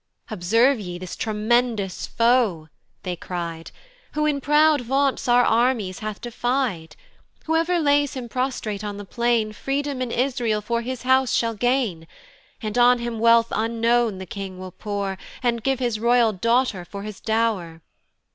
"Observe ye this tremendous foe, they cry'd, "Who in proud vaunts our armies hath defy'd: "Whoever lays him prostrate on the plain, "Freedom in Israel for his house shall gain; "And on him wealth unknown the king will pour, "And give his royal daughter for his dow'r."